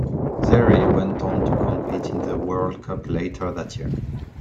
Zaire went on to compete in the World Cup later that year.